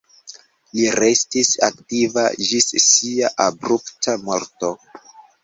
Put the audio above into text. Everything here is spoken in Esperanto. Li restis aktiva ĝis sia abrupta morto.